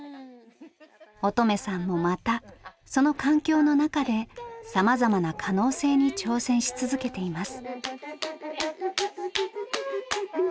音十愛さんもまたその環境の中でさまざまな可能性に挑戦し続けています。